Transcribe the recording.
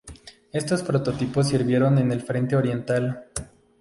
Estos prototipos sirvieron en el Frente Oriental.